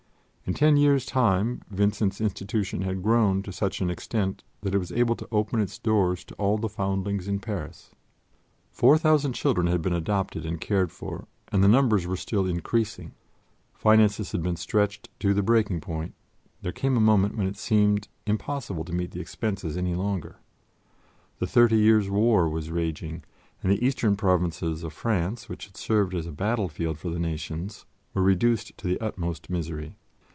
In ten years' time Vincent's institution had grown to such an extent that it was able to open its doors to all the foundlings in Paris. Four thousand children had been adopted and cared for, and the numbers were still increasing; finances had been stretched to the breaking point; there came a moment when it seemed impossible to meet the expenses any longer. The Thirty Years' War was raging, and the eastern provinces of France, which had served as a battlefield for the nations, were reduced to the utmost misery.